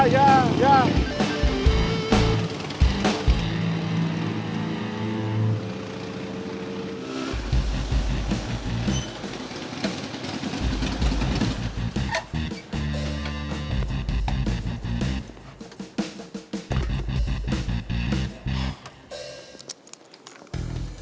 jalan ke bandung teh